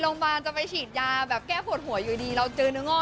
แล้วจะเจ็บขวดเอง